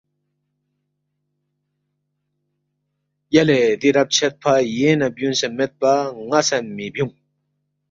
یلے دی رب چھدفا یینگ نہ بیُونگسےمیدپا ن٘ا سہ مِہ بیُونگ